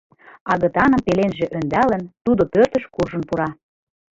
Агытаным пеленже ӧндалын, тудо пӧртыш куржын пура.